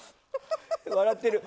笑ってる。